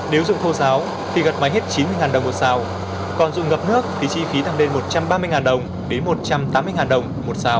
nếu dụng thô giáo thì gật máy hết chín mươi đồng một sào còn dụng ngập nước thì chi phí tăng lên một trăm ba mươi đồng đến một trăm tám mươi đồng một sào